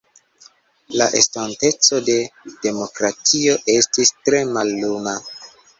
La estonteco de demokratio estis tre malluma.